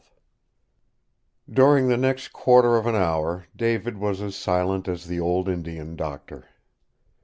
XII During the next quarter of an hour David was as silent as the old Indian doctor.